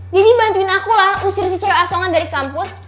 bantuin aku lah usir si cewek asongan dari kampus